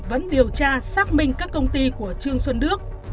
vẫn điều tra xác minh các công ty của trương xuân đức